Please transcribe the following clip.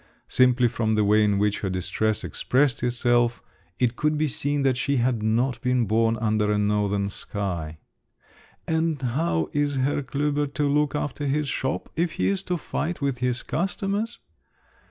Simply from the way in which her distress expressed itself, it could be seen that she had not been born under a northern sky. "And how is Herr Klüber to look after his shop, if he is to fight with his customers?